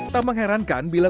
tak mengherankan bila